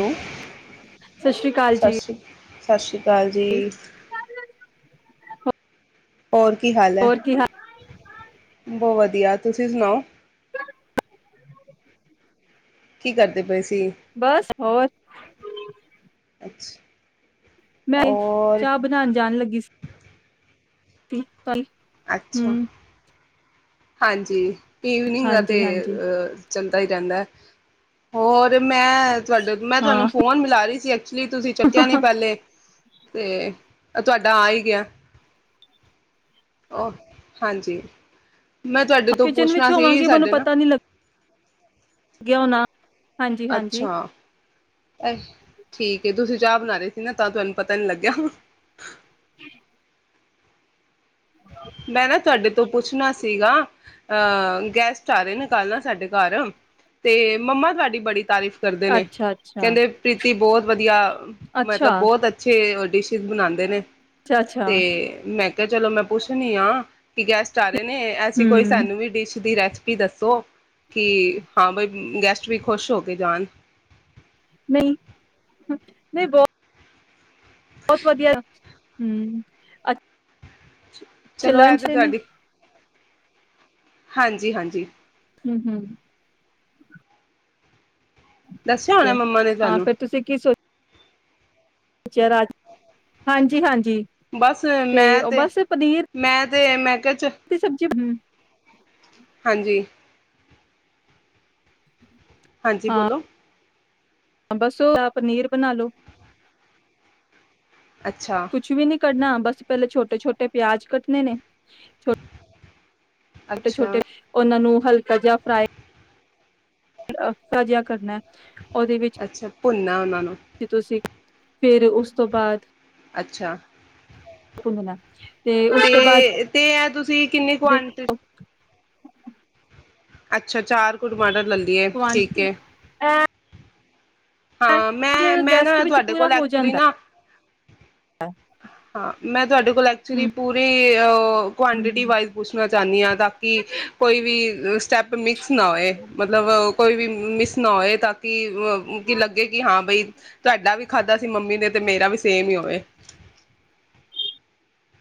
Hello Sat Sri Akal Sat ਜੀ। ਸ੍ਰੀ ਸਤਿ ਸ੍ਰੀ ਅਕਾਲ ਜੀ। ਹੋਰ ਕੀ ਹਾਲ ਹੈ, ਹੋਰ ਕੀ ਹਾਲ ਬਹੁਤ ਵਧੀਆ ਤੁਸੀ ਤੁਸੀ ਸੁਣਾਓ [unintelligible] ਕੀ ਕਰਦੇ ਪਏ ਸੀ। ਬਸ ਹੋਰ [unintelligible] ਮੈਂ ਔਰ ਚਾਹ ਬਣਾਣ ਜਾਣ ਲੱਗੀ ਸੀ [unintelligible] [unintelligible] ਅੱਛਾ ਹੁੰ, ਹਾਂਜੀ। ਈਵਨਿੰਗ ਅਤੇ ਹਾਂਜੀ ਹਾਂਜੀ ਚਲਦਾ ਰਹਿੰਦਾ ਹੋਰ ਮੈਂ ਤੁਹਾਡਾ ਮੈਂ ਤੁਹਾਨੂੰ ਹਾਂ ਫੋਨ ਮਿਲਾ ਰਹੀ ਚਲੀ ਤੁਸੀਂ ਚੱਕਿਆ ਨੀ ਪੈਲੇ, ਤੇ ਅ ਤੁਹਾਡਾ ਆ ਹੀ ਗਿਐ। ਔ, ਹਾਂਜੀ। ਮੈਂ ਤੁਹਾਡੇ ਤੋਂ ਕਿਚਨ ਵਿੱਚ ਪੁੱਛਣਾ ਸੀ ਹੋਵਾਂਗੀ ਮੈਨੂੰ ਸਾਡੇ ਨਾ, ਪਤਾ ਨੀ ਲੱਗਿਆ ਹੋਣਾ ਹਾਂਜੀ ਹਾਂਜੀ ਅੱਛਾ। ਅਏ ਠੀਕ ਏ। ਤੁਸੀਂ ਚਾ ਬਣਾ ਰਹੇ ਸੀਨਾ, ਤਾਂ ਤੁਹਾਨੂੰ ਪਤਾ ਨੀ ਲੱਗਿਆ। ਮੈਂ ਨਾ ਤੁਹਾਡੇ ਤੋ ਪੁੱਛਣਾ ਸੀਗਾ ਅ ਗੈਸਟ ਆ ਰਹੇ ਨੇ ਕੱਲ ਨਾ ਸਾਡੇ ਘਰ ਤੇ ਮਮਾ ਤੁਹਾਡੀ ਬੜੀ ਤਾਰਿਫ ਕਰਦੇ ਨੇ ਅੱਛਾ ਅੱਛਾ ਕਹਿੰਦੇ ਪ੍ਰੀਤੀ ਬੋਤ ਵਧੀਆ। ਮਤਲਬ ਅੱਛਾ ਬੌਤ ਅੱਛੇ ਡਿਸਿ਼ਸ਼ ਬਣਾਂਦੇ ਨੇ। ਅੱਛਾ ਅੱਛਾ ਤੇ ਮੈ ਮੈਂ ਚਲੋ ਮੈਂ ਪੁੱਛ ਪੁੱਛਣੀ ਆ ਕਿ ਗੈਸਟ ਟਾਰੇ ਨੇ ਐਸੀ ਕੋਈ ਹਮ ਸਾਨੂੰ ਵੀ ਡਿਸ਼ ਦੀ ਰੈਸਪ ਪੀ ਦੱਸੋ। ਕੀ, ਹਾਂ ਬਈ ਗੈਸਟ ਵੀ ਖੁਸ਼ ਹੋ ਕੇ ਜਾਨ। ਨਹੀਂ ਨਹੀਂ ਬੋ ਬਸ ਵਧੀਐ। ਹੁੰ, ਅਛ ਚਲੋ, ਐ ਤੇ ਤੁਹਾਡੀ ਹਾਂਜੀ, ਹਾਂਜੀ। ਹਮਮ ਹਮਮ। ਦੱਸਿਆ ਠੀਕ ਹੋਣਾ ਹੈ। ਮੰਮਾ ਨੇ ਹਾਂ ਤੁਹਾਨੂੰ। ਜ਼ਰਾ, ਹਾਂਜੀ ਹਾਂਜੀ। ਬਸ ਮੈਂ ਉਹ ਤੇ, ਬਸ ਪਨੀਰ ਮੈਂ ਤੇ ਮੈਂ ਕਿਹਾ ਚਲ ਦੀ ਸਬਜ਼ੀ ਹਾਂਜੀ। ਹਾਂਜੀ ਬੋਲੋ। ਹਾਂ, ਬਸ ਓ ਯਾ ਪਨੀਰ ਬਣਾ ਲਓ। ਅੱਛਾ। ਕਰਨਾ। ਬਸ, ਪੈਲੇ ਛੋਟੇ-ਛੋਟੇ ਪਿਆਜ਼ ਕੱਟਣੇ ਨੇ। ਛੋਟ ਛੋਟੇ ਅੱਛਾ ਛੋਟੇ ਔਨਾਂ ਨੂੰ ਹਲਕਾ ਜਾ ਫਰਾਏ ਅ ਹਲਕਾ ਜਾ ਕਰਨੈ। ਔਦੇ ਵਿੱਚ ਭੁੰਨਾ ਉਹਨਾਂ ਨੂੰ ਜੇ ਤੁਸੀਂ ਫਿਰ ਉਸ ਤੋਂ ਬਾਅਦ ਅੱਛਾ ਤੇ ਉਸ ਤੋਂ ਬਾਅਦ। ਤੇ ਤੇ ਇਹ ਤੁਸੀਂ ਕਿੰਨੀ ਕੁਆਂਟੀ ਅੱਛਾ। ਚਾਰ ਕੁਆਂਟਿਟੀ [unintelligible] ਹਾਂ ਅੱਜ ਮੈਂ, ਮੈਂ ਗੈਸਟ ਨਾ ਵਿੱਚ ਤੁਹਾਡੇ ਪੂਰਾ ਕੋਲ ਹੋ ਐਕਚੁਲੀ ਜਾਂਦਾ ਨਾ ਹੈ [inaudible] ਤੁਹਾਡੇ ਕੋਲ ਐਕਚੁਲੀ ਪੂਰੀ ਕੁਆਂਟਿਟੀ ਹੂੰ-ਹੂੰ ਵਾਈਜ਼ ਪੁੱਛਣਾ ਚਾਹੁੰਦੀ ਆ। ਤਾਂ ਕਿ ਕੋਈ ਵੀ ਸਟੈਪ ਮਾਕਸ ਨ ਹੋਵੋ ਮਤਲਬ ਕੋਈ ਵੀ ਮਿਸ ਨਾ ਹੋਏ ਤਾਂ ਕਿ ਲੱਗੇ ਕਿ ਹਾਂ ਬਈ ਤੁਹਾਡਾ ਵੀ ਖਾਦਾ ਸੀ ਮਮੀ ਨੇ ਤੇ ਮੇਰਾ ਵੀ ਸੇਮ ਹੀ ਹੋਵੇ।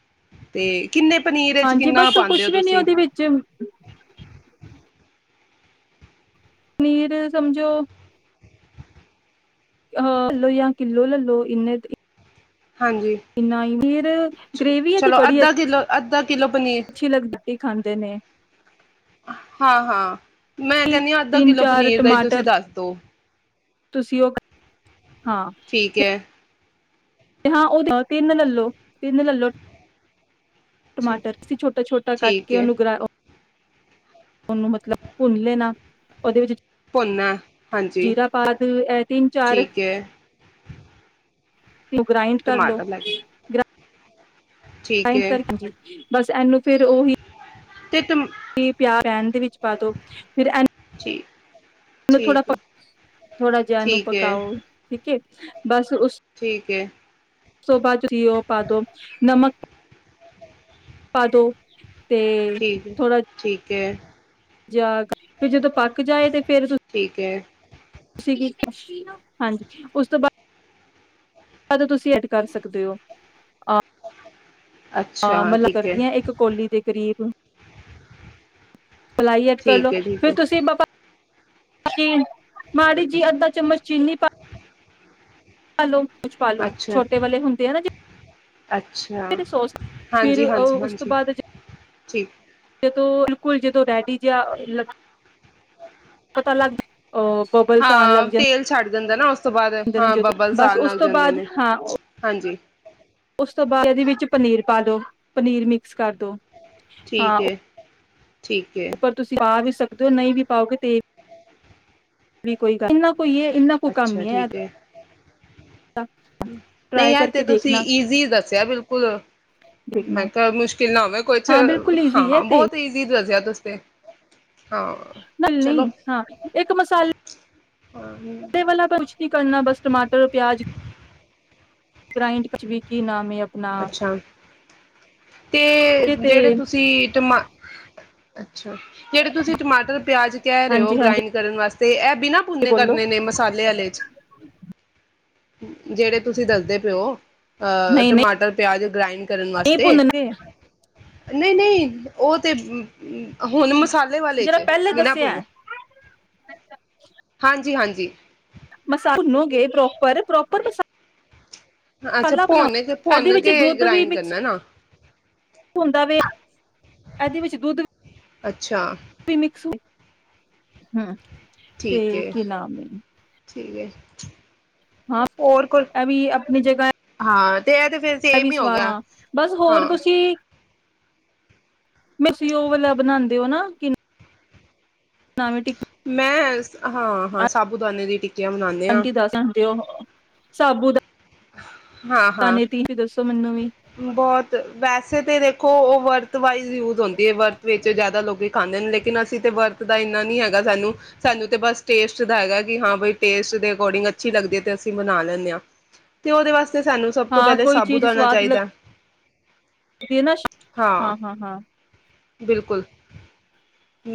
[unintelligible] ਵਿੱਚ ਹਾਂਜੀ ਕਿੰਨਾ ਬਸ ਕੁਝ ਪਾਉਂਦੇ ਹੋ ਵੀ ਨਹੀਂ ਤੁਸੀਂ ਉਹਦੇ ਵਿੱਚ ਨੀਰ ਸਮਝੋ [unintelligible] ਹਾਂਜੀ [unintelligible] ਕਿਲੋ ਪਨੀਰ। ਅੱਛੀ ਲੱਗਦੀ ਖਾਂਦੇ ਨੇ ਹਾਂ, ਹਾਂ। ਮੈਂ ਕਹਿਦੀ ਅਦਲ ਤਿੰਨ ਦਿਲੋਂ ਚਾਰ ਪਨੀਰ ਦਾ ਤੁਸੀਂ ਟਮਾਟਰ ਦੱਸ ਦੋ। ਤੁਸੀਂ ਉਹ ਹਾਂ ਠੀਕ ਹ। ਹਾਂ ਤਿੰਨ ਲਲੋ, ਤਿੰਨ ਲੈਲੌ ਠੀ ਟਮਾਟਰ ਤੁਸੀਂ ਛੋਟਾ ਛੋਟਾ ਕੱਟ ਠੀਕ ਕੇ ਹੈ ਉਹਨੂੰ ਨੂੰ ਮਤਲਬ ਭੁੰਨ ਲੈਣਾ ਉਹਦੇ ਵਿੱਚ ਭੁੰਨਨਾ ਹਾਂਜੀ ਜੀਰਾ ਪਾ ਤਿਨ ਚਾਰ ਠੀਕ ਹੈ ਇਬਰਾਹੀਮ ਕਰ ਲਓ। ਟਮਾਟਰ ਲੈ ਕੇ ਠੀਕ ਹੈ [inaudible] ਬਸ ਇਹਨੂੰ ਫਿਰ ਅਤੇ ਟਮ ਉਹੀ ਪਿਆ ਰਹਿਣ ਦੇ ।ਵਿੱਚ ਪਾ ਦੋ ਫਿਰ ਠੀਕ ਮੈਨੂੰ ਠੀਕ ਥੋੜਾ ਜਿਹਾ ਇਹਨੂੰ ਠੀਕ ਹੈ ਪਕਾਓ। [inaudible] ਬਸ ਠੀਕ ਹੈ ਨਮਕ [unintelligible] ਪਾਦੋ। ਠੀਕ ਠੀਕ ਐ। [inaudible] ਪੱਕ ਜਾਏ ਤੇ ਫਿਰ ਠੀਕ ਹੈ [unintelligible] ਹਾਂਜੀ ਉਸ ਤੋਂ ਬਾਅਦ ਕਦੋਂ ਤੁਸੀਂ ਐਡ ਕਰ ਸਕਦੇ ਹੋ। ਆ ਅੱਛਾ ਆ [inaudible] ਠੀਕ ਹੈ ਕਰਦੀ ਇੱਕ ਕੋਲੀ ਦੇ ਕਰੀਬ। ਪਲਾਈ ਐਡ ਕਰ ਦੋ ਠੀਕ ਹੈ ਠੀਕ ਤੇ ਹੈ ਤੁਸੀ ਫਿਰ ਬਾਬਾ [unintelligible] ਮਾੜੀ ਜੀ ਅੱਧਾ ਚਮਚ ਚੀਨੀ ਪਾ ਹੈਲੋ। ਕੁਝ ਪਾਲੋ ਅੱਛਾ ਛੋਟੇ ਵਾਲੇ ਹੁੰਦੇ ਆ ਅੱਛਾ [unintelligible] ਫਿਰ ਹਾਂਜੀ ਹਾਂਜੀ ਓ-ਉਸ ਤੋਂ ਹਾਂਜੀ ਬਾਅਦ। ਠੀਕ। ਜਦੋ ਬਿਲਕੁਲ ਜਦੋਂ ਰੈਡੀ ਜਿਹਾ ਲਗ [inaudible] ਪਤਾ ਲੱਗ ਜੇ ਉਹ ਬੱਬਲਜ਼ ਆਨ ਲੱਗ ਜਾਣ ਦਿੰਦਾ ਨਾ ਓਸ ਉਸ ਤੋਂ ਬਾਅਦ, ਹਾਂ ਬੱਬਲਜ਼ ਆਨ ਲਗ ਤੋਂ ਜਾਂਦੇ ਬਾਅਦ ਨੇ। ਹਾਂ ਹਾਂਜੀ। ਉਸ ਤੋਂ ਇਹਦੇ ਵਿੱਚ ਪਨੀਰ ਪਾ ਦੋ, ਪਨੀਰ ਮਿਕਸ ਕਰ ਦੋ। ਠੀਕ ਏ। ਠੀਕ ਏ ਪਰ ਤੁਸੀ ਪਾ ਵੀ ਸਕ ਤੇ ਔ ਨਈ ਵੀ ਪਾਔਗੇ ਤੇ ਵੀ ਕੋਈ ਗੱਲ ਭ ਯੇ ਇਨ੍ਹਾਂ ਕੂ ਕੰਮ ਈ ਐ ਨਈ ਔ ਤੇ ਕਰਕੇ ਤੁਸੀਂ ਦੇਖਣਾ ਈਜ਼ੀ ਦੱਸਿਐ ਬਿਲਕੁਲ। ਮੈਂ ਦੇਖਣਾ ਕਿਆ ਮੁਸ਼ਕਿਲ ਨਾ ਹੋਵੇ ਕੋਛ, ਹਾਂ ਬਿਲਕੁਲ ਈਜ਼ੀ ਹੈ ਹਾਂ ਬੋਤ ਈਜ਼ੀ ਦੱਸਿਆ। ਤੁਸ ਤੇ ਹਾਂ ਲੱਲ ਲੀਂ। ਚਲੋ ਹਾਂ ਇੱਕ ਮਸਾਲੇ ਵਾਲਾ ਕੁਛ ਨਈ ਕਰਨਾ ਬਸ ਟਮਾਟਰ ਔਰ ਪਿਆਜ [unintelligible] ਕੀ ਨਾਮ ਏ ਅਪ ਅੱਛਾ। ਤੇ ਤੇ ਜਿਹੜੇ ਤੁਸੀ ਟਮਾ ਜਿਹੜੇ ਤੁਸੀ ਟਮਾਟਰ ਪਿਆਜ਼ ਕਹਿ ਰੇ ਔ ਹਾਂਜੀ ਗਰਾਇੰਡ ਹਾਂਜੀ ਕਰਨ ਵਾਸ ਤੇ ਐ ਬਿਨਾਂ ਭੁੰਨੇ ਬੋਲੋ ਕਰਨੇ ਨੇ ਮਸਾਲੇ ਆਲੇ ਚ ਜਿਹੜੇ ਤੁਸੀ ਦੱਸਦੇ ਪੇ ਔ। ਅ ਨਹੀਂ ਨਹੀਂ ਟਮਾਟਰ ਪਿਆਜ਼ ਨੂੰ ਗਰਾਇੰਡ ਕਰਨ ਨਹੀਂ ਵਾਸਤੇ ਭੁੰਨਗੇ ਨਹੀਂ, ਨਹੀਂ ਉਹ ਤੇ ਹੁਣ ਮਸਾਲ ਵਾਲੇ ਜਿਹੜਾ ਪਹਿਲੇ ਦੱਸਿਆ ਹਾਂਜੀ ਹਾਂਜੀ। [unintelligible] [unintelligible] ਅੱਛਾ ਪਹਿਲਾਂ ਬਣਾਓ ਭੁੰਨ ਕੇ ਇਹਦੇ ਭੁੰਨ ਵਿੱਚ ਕੇ ਦੁੱਧ ਵੀ ਗ੍ਰਾਇੰਡ ਕਰਨਾ ਨਾ ਹੁੰਦਾ ਵੇ ਇਹਦੇ ਵਿੱਚ ਦੁੱਧ ਅੱਛਾ [inaudible] ਤੇ ਠੀਕ ਹੈ ਕੀ ਨਾਮ ਹੈ ਠੀਕ ਹੈ। ਹੋਰ ਕੁ ਆਪਣੀ ਜਗਾ ਹਾਂ ਤੇ ਇਹ ਤੇ ਫਿਰ ਵੀ ਸੇਮ ਹੀ ਹੋ ਸਵਾਦ ਗਿਆ ਬਸ ਹੋਰ ਹਾਂ ਤੁਸੀਂ [unintelligible] ਤੁਸੀ ਊ ਵਾਲਾ ਬਣਾਂਦੇ ਹੋ ਨਾ ਕੀ ਨਾ [inaudible] ਮੈਂ ਹਾਂ, ਹਾਂ ਸਾਬ ਬੁਦਾਨੇ ਦੀਆਂ ਟਿੱਕੀਆਂ ਬਣਾਉਦੇ ਆ। ਸਾਬੂਦ ਹਾਂ, ਹਾਂ ਦੱਸੋ ਮੈਨੂੰ ਵੀ ਬਹੁਤ ਵੈਸੇ ਤੇ [unintelligible] [unintelligible] ਕਾਂਦੇ ਨੇ ਲੇਕਿਨ ਅਸੀਂ ਤੇ ਵਰਤ ਦਾ ਇਨਾ ਨਹੀਂ ਹੈਗਾ ਸਾਨੂੰ। ਸਾਨੂੰ ਤੇ ਬਸ ਟੇਸਟ ਹੈਗਾ ਕਿ ਹਾਂ ਬਈ ਟੇਸਟ ਦੇ ਅਕੋਰਡਿੰਗ ਅੱਛੀ ਲੱਗਦੀ ਤੇ ਅਸੀਂ ਮਨਾ ਲੈਦੇ ਆਂ। ਤੇ ਉਹਦੇ ਵਾਸਤੇ ਤੇ ਸਾਨੂੰ ਸਭ ਤੋਂ ਹਾਂ ਪਹਿਲੇ ਕੋਈ ਚੀਜ਼ ਸਾਬੂਤਾਣਾ ਸਵਾਦ ਚਾਹੀਦਾ। ਹਾਂ [unintelligible] ਬਿਲਕੁਲ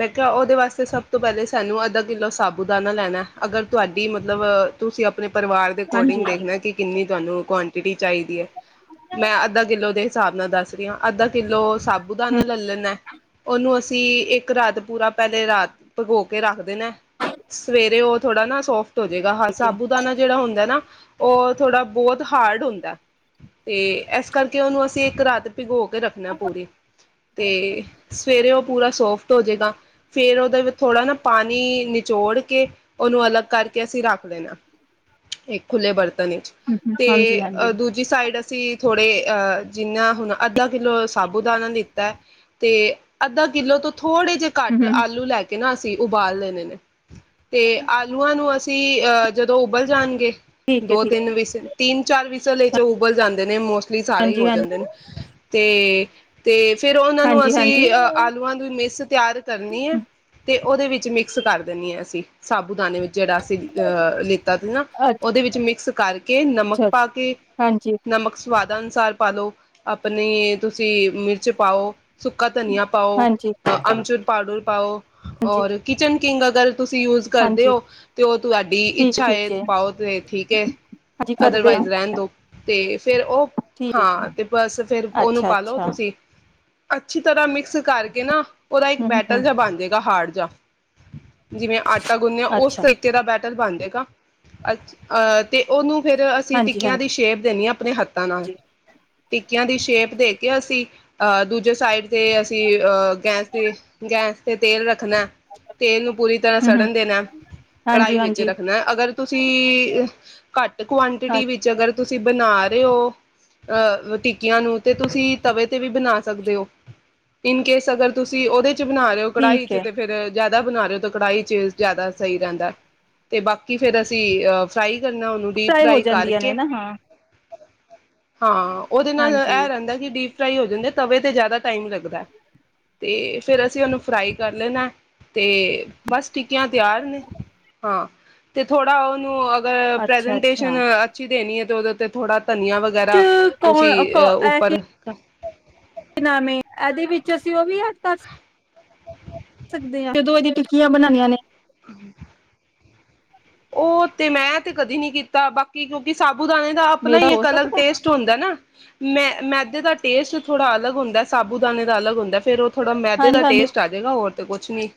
ਮੈਂ ਉਹਦੇ ਵਾਸਤੇ ਸਭ ਤੋਂ ਪਹਿਲੇ ਸਾਨੂੰ ਆਧਾ ਕਿਲੋ ਸਾਪਦਾਨਾ ਲੈਣਾ। ਅਗਰ ਤੁਹਾਡੀ ਮਤਲਬ ਤੁਸੀਂ ਅਪ ਆਪਣੇ ਪਰਿਵਾਰ ਦੇ ਹਾਂਜੀ ਅਕੋਰਡਿੰਗ ਦੇਖਣਾ ਕਿ ਕੀ ਤੁਹਾਨੂੰ ਕੁਆਂਟਿਟੀ। ਚਾਹੀਦੀ ਹੈ ਮੈਂ ਅੱਧਾ ਕਿਲੋ ਦੇ ਹਿਸਾਬ ਨਾਲ ਦੱਸ ਰਹੀ ਆਂ ਅੱਧਾ ਕਿਲੋ ਸਾਬੂ ਦਾ ਲੈ ਲੈਣਾ ।ਉਹਨੂੰ ਅਸੀਂ ਇੱਕ ਰਾਤ ਪੂਰਾ ਪਹਿਲੇ ਰਾਤ ਭਘੋ ਕੇ ਰੱਖ ਦੇਣਾ। ਸਵੇਰੇ ਉਹ ਥੋੜਾ ਨਾ ਤੁਜੇਗਾ। ਹਾਂ ਠੀਕ ਹੈ ਸਾਬੂਦਾਨਾ ਜਿਹੜਾ ਹੁੰਦਾ ਨਾ [inaudible] ਥੋੜਾ ਬਹੁਤ ਹਾਰਡ ਹੁੰਦਾ ਹੈ ਤੇ। ਇਸ ਕਰਕੇ ਉਹਨੂੰ ਅਸੀਂ ਇੱਕ ਰਾਤ ਭਿਗੋ ਕੇ ਰੱਖਣਾ। ਪੂਰੀ ਤੇ ਸਵੇਰੇ ਉਹ ਪੂਰਾ ਸੋਫਟ ਹੋ ਜਾਏਗਾ। ਫਿਰ ਉਹਦਾ ਥੋੜਾ ਨਾ ਪਾਣੀ ਨਿਚੋੜ ਕੇ ਉਹਨੂੰ ਅਲੱਗ ਕਰਕੇ ਅਸੀਂ ਰੱਖ। ਦੇਣਾ ਖੁਲੇ ਬਰਤਨ ਹਮ ਤੇ ਹਾਂਜੀ ਹਾਂਜੀ ਦੂਜੀ ਸਾਈਡ ਅਸੀਂ ਥੋੜੇ ਆ ਜਿੰਨਾ ਹੁਣ ਅੱਧਾ ਕਿਲੋ ਸਾਬੂ ਦਾਣਾ ਲਿਤਾ ਤੇ ਅੱਧਾ ਕਿਲੋ ਤੋਂ ਥੋੜੇ ਜਿਹੇ ਹਮ ਘੱਟ ਹਮ ਆਲੂ ਲੈ ਕਿੰਨਾ ਸੀ ਉਬਾਲ ਲੈਦੇ ਨੇ ਤੇ ਆਲੂਆਂ ਨੂੰ ਅਸੀਂ ਜਦੋਂ ਉਬਲ ਜਾਣਗੇ ਠੀਕ ਹ ਠੀਕ ਤੀਨ ਚਾਰ ਵਿਸ਼ਲ ਚੋ ਜੋ ਉਬਲ ਜਾਂਦੇ ਨੇ ਸਾਰੇ ਹੀ ਹਾਂਜੀ ਹੋ ਜਾਂਦੇ ਹਾਂਜੀ ਨੇ ਤੇ ਤੇ ਫਿਰ ਉਹਨਾਂ ਨੂੰ ਹਾਂਜੀ ਅਸੀਂ ਹਾਂਜੀ ਆਲੂਆਂ ਦੇ ਮਿਸ ਤਿਆਰ ਕਰਨੀ ਹ ਤੇ ਉਹਦੇ ਵਿੱਚ ਮਿਕਸ ਕਰ ਦਿੰਦੀ ਹ ਅਸੀਂ ਉਦਾਨੇ ਵਿੱਚ ਜਿਹੜਾ ਸੀ ਲੇਤਾ ਸੀ ਨਾ ਉਹਦੇ ਵਿੱਚ ਮਿਕਸ ਕਿ ਨਮਕ ਅੱਛਾ ਪਾ ਅੱਛਾ ਕੇ ਹਾਂਜੀ ਨਮਕ ਸਵਾਦ ਅਨੁਸਾਰ ਪਾ ਲਓ ਆਪਣੇ ਜੀ ਮਿਰਚ ਪਾਓ ਸੁੱਕਾ ਧਨੀਆ ਪਾਓ ਹਾਂਜੀ ਤਾਂ ਅਚਨ ਆ ਪਾਊਡਰ ਪਾਓ ਹਾਂਜੀ ਔਰ ਕਿਚਨ ਕਿੰਗ ਅਗਰ ਤੁਸੀਂ ਯੂਜ ਕਰਦੇ ਹਾਂਜੀ ਹੋ ਤੇ ਉਹ ਤੁਹਾਡੀ ਠੀਕ ਇੱਛਾ ਇਹ ਠੀਕ ਹੈ ਪਾਓ ਤੇ ਠੀਕ ਹ ਹਾਂਜੀ ਕਰਦੇ ਅਦਰਵਾਈਜ਼ ਹਾਂ ਰਹਿਣ ਦੋ ਤੇ ਫਿਰ ਉਹ ਠੀਕ ਹੈ ਜੀ ਹਾਂ ਤੇ ਬਸ ਫਿਰ ਉਹਨੂੰ ਅੱਛਾ ਪਾ ਲਓ ਅੱਛਾ ਤੁਸੀਂ ਅੱਛੀ ਤਰ੍ਹਾਂ ਮਿਕਸ ਕਰਕੇ ਨਾ ਉਹਦਾ ਇੱਕ ਹਮ ਬੈਟਰ ਹਮ ਜਿਹਾ ਬਣ ਜਾਏਗਾ ਹਾਰਡ ਜਾ ਜਿਵੇਂ ਆਟਾ ਗੁੰਨਿਆ ਉਸ ਅੱਛਾ ਤਰੀਕੇ ਦਾ ਬੈਟਰ ਬਣ ਜਾਏਗਾ ਅੱਛਾ ਦੇ ਦੋ ਉਹਨੂੰ ਫਿਰ ਅਸੀਂ ਹਾਂਜੀ ਹਾਂਜੀ ਟਿੱਕੀਆਂ ਦੀ ਸ਼ੇਪ ਦੇਨੀ ਆ ਆਪਣੇ ਹੱਥਾਂ ਨਾਲ ਇਕ [unintelligible] ਦੀ ਸ਼ੇਪ ਦੇ ਕੇ ਅੱਸੀ, ਆ ਦੂਜੇ ਸਾਇਡ ਤੇ ਅੱਸੀ ਆ ਗੈਸ ਤੇ ਗੈਸ ਤੇ ਤੇਲ ਰੱਖ [unintelligible] ਤੇਲ ਨੂੰ ਪੂਰੀ ਤਰ੍ਹਾਂ ਹੂੰ ਹੂੰ ਸੜਨ ਦੇਣਾ ਹਾਂਜੀ ਕੜਾਹੀ ਵਿੱਚ ਹਾਂਜੀ ਰੱਖਣਾ ਅਗਰ ਤੁਸੀਂ ਕਟ ਹਾਂ ਕੁਆਂਟਿਟੀ ਵਿੱਚ ਅਗਰ ਤੁਸੀਂ ਬਣਾ ਰਹੇ ਹੋ ਆ ਟੀ [unintelligible] ਨੂੰ ਤੇ ਤੁਸੀਂ ਤਵੇ ਤੇ ਵੀ ਬਣਾ ਸਕਦੇ ਹੋ ਇਨ ਕੇਸ ਅਗਰ ਤੁਸੀਂ ਉਹਦੇ ਚ ਬਣਾ ਰਹੇ ਹੋ, ਕੜਾਹੀ ਠੀਕ ਚ ਹੈ ਤੇ ਫਿਰ [unintelligible] ਬਣਾ ਰਹੇ ਓ ਤਾਂ ਕੜਾਹੀ ਚ ਜ਼ਿਆਦਾ ਸਹੀ ਰਹਿੰਦਾ ਤੇ ਬਾਕੀ ਫਿਰ ਅਸੀਂ ਅ ਸਾ [unintelligible] ਤੇ ਹੋ ਜਾਂਦੀਆਂ ਨੇ ਨਾ ਹਾਂ। ਹਾਂ। ਉਹਦੇ ਨਾਲ, ਹਾਂਜੀ ਇਹ ਰਹਿੰਦਾ ਹੈ ਕਿ ਡੀ ਫਰਾਈ ਹੋ ਜਾਂਦੇ। ਤਵੇ ਤੇ ਜਿਆਦਾ ਟਾਈਮ ਲੱਗਦਾ ਤੇ ਫੇਰ ਅਸੀਂ ਉਹਨੂੰ ਫਰਾਈ ਕਰ ਲੈਣਾ ਤੇ ਬਸ ਟਿੱਕੀਆਂ ਤਿਆਰ ਨੇ। ਹਾਂ, ਤੇ ਥੋੜਾ ਉਹਨੂੰ [unintelligible] [unintelligible] ਅੱਛਾ ਅੱਛਾ ਲੈਣੀ ਏ ਤੇ ਉਹਦੇ ਉੱਤੇ ਥੋੜਾ ਧਨੀਆ ਵਗੈਰਾ ਕੌ ਤੁਸੀਂ ਅ ਇਹ ਕੀ ਉੱਪਰ [unintelligible] ਇਹਦੇ ਵਿੱਚ ਅਸੀਂ ਉਹ ਵੀ ਐਡ ਕਰ ਸਕਦੇ। [inaudible] ਸਕਦੇ ਆਂ। ਜਦੋਂ ਇਹਦੀ ਟਿੱਕੀਆਂ ਬਣਾਨੀਆਂ ਨੇ। ਖਾਲੀ ਉਹ ਤੇ, ਮੈਂ ਤੇ ਕਦੀ ਨਹੀਂ ਕੀਤਾ। ਬਾਕੀ ਕਿਉਂਕਿ ਸਾਬ ਸਾਬੂਦਾਣੇ ਦਾ ਆਪਣਾ ਮੇਦਾ ਹੀ ਹੋ ਇੱਕ ਅਲਗ ਸਕਦਾ ਟੇਸਟ ਹੁੰਦਾ ਨਾ। ਮੈ-ਮੈਦੇ ਦਾ ਟੇਸਟ ਥੋੜਾ ਅਲਗ ਹੁੰਦਾ। ਸਾਬੂਦਾਨੇ ਦਾ ਅਲੱਗ ਹੁੰਦਾ। ਫੇਰ ਉਹ ਥੋੜਾ ਮੈਦੇ ਹਾਂਜੀ ਦਾ ਹਾਂਜੀ ਟੇਸਟ ਆ ਜਾਏਗਾ। ਹੋਰ ਤੇ ਕੁਛ ਨੀ।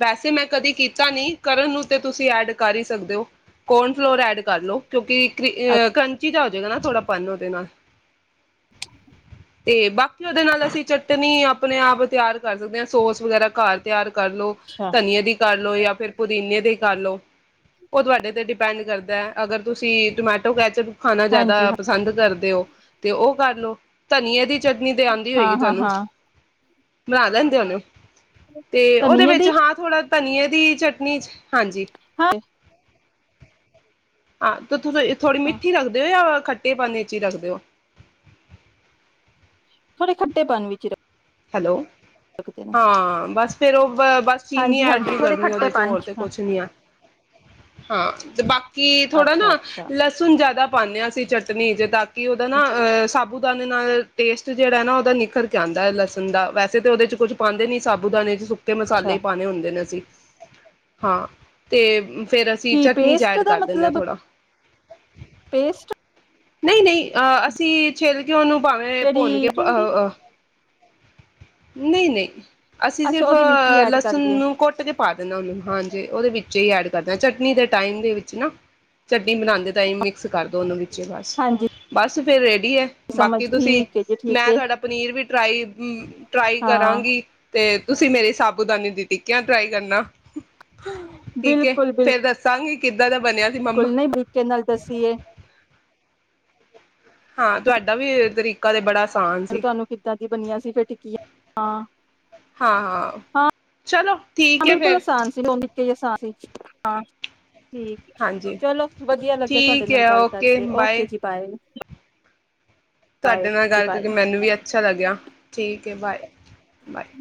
ਵੈਸੇ ਮੈਂ ਕਦੇ ਕੀਤਾ ਨੀ। ਕਰਨ ਨੂੰ ਤੇ ਤੁਸੀਂ ਐਡ ਕਰ ਹੀ ਸਕਦੇ ਹੋ। ਕੌਰਨ ਫਲੋਰ ਐਡ ਕਰ ਲਓ ਕਿਉਂਕਿ ਕ੍ਰ ਕ੍ਰੰਚੀ ਜਾ ਹੋ ਜਾਏਗਾ ਨਾ ਥੋੜਾ ਪਨ ਉਹਦੇ ਨਾਲ ਤੇ ਬਾਕੀ ਉਹਦੇ ਨਾਲ ਅਸੀਂ ਚਟਨੀ ਆਪਣੇ ਆਪ ਤਿਆਰ ਕਰ ਸਕਦੇ ਆ। ਸੋਸ ਵਗੈਰਾ ਘਰ ਤਿਆਰ ਕਰ ਲਓ। ਅੱਛਾ ਧਨੀਏ ਦੀ ਕਰ ਲੋ, ਜਾ ਫਿਰ ਪੁਦੀਨੇ ਦੀ ਕਰ ਲਓ। ਉਹ ਤੁਹਾਡੇ ਤੇ ਡਿਪੈਂਡ ਕਰਦਾ। ਅਗਰ ਤੁਸੀਂ ਟੋਮੈਟੋ ਕੈਚਅਪ ਖਾਣਾ ਜਿਆਦਾ ਹਾਂਜੀ ਹਾਂ ਪਸੰਦ ਕਰਦੇ ਹੋ। ਤੇ ਉਹ ਕਰ ਲਓ। ਧਨੀਏ ਦੀ ਚਟਨੀ ਤੇ ਆਉਂਦੀ ਹਾਂ ਹੋਏਗੀ ਹਾਂ ਤੁਹਾਨੂੰ। ਹਾਂ ਬਣਾ ਲੈਂਦੇ ਹੋਣੇ। ਤੇ ਉਹਦੇ ਧਨੀਏ ਵਿੱਚ, ਦੀ ਹਾਂ ਥੋੜਾ ਧਨੀਏ ਦੀ ਚਟਨੀ ਹਾਂਜੀ। ਹਾਂ [inaudible] ਤੇ ਤੁਸੀਂ ਹਾਂ ਮੇਥੀ ਰੱਖਦੇ ਹੋ [unintelligible] [inaudible] ਹੈਲੋ। ਰੱਖਦੇ ਨੇ ਹਾਂ ਬਸ ਫਿਰ ਉਹ ਬਸ ਚੀਨੀ ਹਾਂਜੀ ਐਡ ਹਾਂਜੀ ਨਹੀਂ ਥੋੜੇ ਕਰਨੀ। ਉਹਦੇ ਚ ਖੱਟੇਪਨ ਹੋਰ ਤੇ ਕੁਛ ਨਹੀਂ ਆ ਹਾਂ ਤੇ ਕੀ ਥੋੜਾ ਨਾ ਅੱਛਾ ਅੱਛਾ ਲਸਣ ਜਿਆਦਾ ਭੰਨਿਆ ਸੀ ਚਟਨੀ ਜ ਉਹਦਾ ਨਾ ਅੱਛਾ ਸਾਬੂਤਾ ਟੇਸਟ ਜਿਹੜਾ ਨਾ ਉਹਦਾ ਨਿਖਰ ਜਾਂਦਾ ਨਹੀਂ ਸਾਰੀ ਹੋਈ ਵੈਸੇ ਤੇ ਉਹਦੇ ਚ ਕੁਝ ਪਾਉਂਦੇ ਨਹੀਂ। ਸਾਬੂ ਦਾਣੇ ਤੇ ਮਸਾਲੇ ਪਾਣੇ ਹੁੰਦੇ ਨੇ ਅਸੀਂ। [inaudible] ਤੇ ਫਿਰ ਅਸੀਂ ਕੀ ਚਕਨੀ ਪੇਸਟ ਜਾਇਟ ਦਾ ਕਰ ਦਿੰਨੇ ਆ ਮਤਲਬ ਥੋੜਾ ਪੇਸਟ ਨਹੀਂ, ਨਹੀਂ ਅਸੀਂ ਕਿਉਂ ਨੂੰ ਭਾਵੇ ਭੁਨ ਜਿਹੜੀ ਕੇ ਹੁੰਦੀ ਨਹੀਂ, ਨਹੀਂ। ਅਸੀਂ ਅੱਛਾ ਸਿਰਫ ਉਹਦੇ ਵਿੱਚ ਹੀ ਐਡ ਕਰ ਲਸਣ ਲਈਏ। ਨੂੰ ਕੁੱਟ ਹਾਂਜੀ ਉਹਦੇ ਵਿੱਚ ਹੀ ਐਡ ਕਰਦਾ ਚਟਨੀ ਦੇ ਟਾਈਮ ਦੇ ਵਿੱਚ ਨਾ ਟੀਮ ਬਣਾਉਣ ਦੇ ਟਾਈਮ ਮਿਕਸ ਕਰ ਦੋ ਉਹਨੂੰ ਵੀ। [unintelligible] [unintelligible] ਹਾਂਜੀ ਸਮਝ ਬਾਕੀ ਤੁਸੀਂ ਠੀਕ ਹੈ ਜੀ ਠੀਕ ਮੈਂ ਹੈ ਤੁਹਾਡਾ ਪਨੀਰ ਵੀ ਡਰਾਈ [unintelligible] ਟਰਾਈ ਹਾਂ ਕਰਾਂਗੀ ਤੇ ਤੁਸੀਂ ਮੇਰੇ ਹਿਸਾਬ ਕਿਤਾਬ ਨੂੰ ਦਿੱਤੀ ਕਿ ਟਰਾਈ ਕਰਨਾ। ਠੀਕ ਹੈ ਬਿਲਕੁਲ, ਬਿਲਕੁਲ ਫੇਰ ਦੱਸਾਂਗੀ ਕਿੱਦਾਂ ਦਾ ਬਣਿਆ ਸੀ ਮੰਮਾ ਕੁਲ ਨਹੀ ਬੂਟੇ ਨਾਲ ਦੱਸੀਏ ਹਾਂ ਤੁਹਾਡਾ ਵੀ ਤਰੀਕਾ ਤੇ ਬੜਾ ਆਸਾਨ ਸੀ ਤੁਹਾਨੂੰ ਕਿੱਦਾਂ ਦੀ ਬਣੀਆਂ ਸੀ ਫਿਰ ਟਿਕਿਆਂ ਆਂ। ਹਾਂ, ਚਲੋ ਠੀਕ ਹੈ ਬਿਲਕੁਲ ਫਿਰ ਆਸਾਨ ਸੀ [unintelligible] ਹੂ ਹਾਂਜੀ ਚਲੋ ਵਧੀਆ ਲਗਿਆ ਤੁਹਾਡੇ ਠੀਕ ਨਾਲ ਹੈ ਗੱਲ ਓਕੇ ਕਰਕੇ ੳਕੇ ਬਾਏ ਜੀ ਬਾਯ ਤੁਹਾਡੇ ਨਾਲ ਗੱਲ ਬਾਏ। ਕਰਕੇ ਮੈਨੂੰ ਵੀ ਅੱਛਾ ਲਗੀਆਂ। ਠੀਕ ਉਕੇ ਬਾਏ, ਬਾਏ।